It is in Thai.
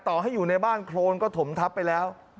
ต่อให้อยู่ในบ้านโครนก็ถมทับไปแล้ว